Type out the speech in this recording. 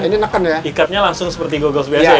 ini ikatnya langsung seperti gogos biasa ya